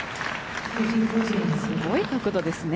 すごい角度ですね。